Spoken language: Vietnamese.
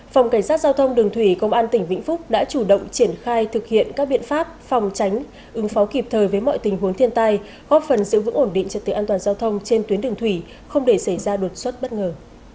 phòng cảnh sát giao thông đường thủy công an tỉnh vĩnh phúc đã chủ động triển khai thực hiện các biện pháp phòng tránh ứng phó kịp thời với mọi tình huống thiên tai góp phần giữ vững ổn định trật tự an toàn giao thông trên tuyến đường thủy không để xảy ra đột xuất bất ngờ